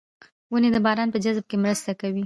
ونې د باران په جذب کې مرسته کوي.